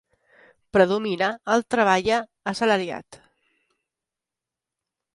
Predomina el treballa assalariat.